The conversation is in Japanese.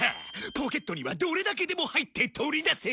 ポケットにはどれだけでも入って取り出せる。